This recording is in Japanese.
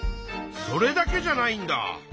それだけじゃないんだ。